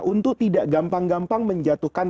untuk tidak gampang gampang menjatuhkan